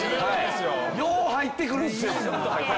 よう入ってくるんすよ。